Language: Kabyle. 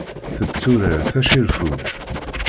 Tetturar tacirfugt.